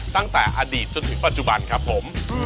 ตั้งแต่อดีตจนถึงปัจจุบันครับผม